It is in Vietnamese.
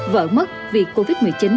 vợ mất vì covid một mươi chín